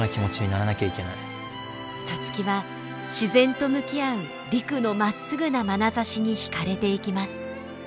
皐月は自然と向き合う陸のまっすぐなまなざしに惹かれていきます。